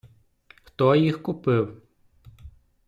Хто їх купив?